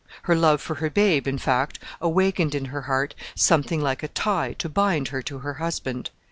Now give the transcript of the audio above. Her love for her babe, in fact, awakened in her heart something like a tie to bind her to her husband.